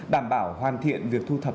đảm bảo hoàn thiện việc thu thập